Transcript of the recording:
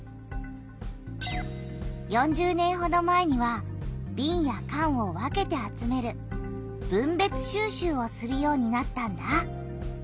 ４０年ほど前にはびんやかんを分けて集める「分別収集」をするようになったんだ。